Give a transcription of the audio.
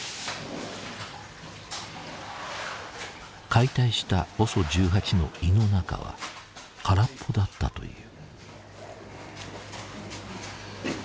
解体したＯＳＯ１８の胃の中は空っぽだったという。